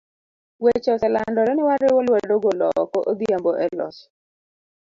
Weche oselandore ni wariwo lwedo golo oko Odhiambo e loch.